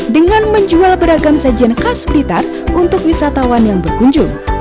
dengan menjual beragam sajian khas blitar untuk wisatawan yang berkunjung